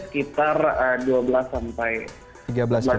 ketika sekitar dua belas sampai tiga belas jam